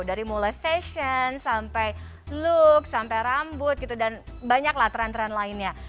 dari mulai fashion sampai look sampai rambut gitu dan banyaklah tren tren lainnya